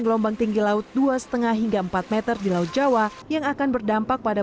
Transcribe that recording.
gelombang tinggi laut dua lima hingga empat m di laut jawa yang akan berdampak pada